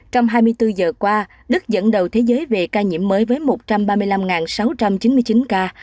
trong hai mươi bốn giờ qua đức dẫn đầu thế giới về ca nhiễm mới với một trăm ba mươi năm sáu trăm chín mươi chín ca